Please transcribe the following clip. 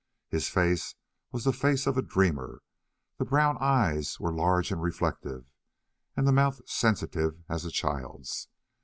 His face was the face of a dreamer, the brown eyes were large and reflective, and the mouth sensitive as a child's.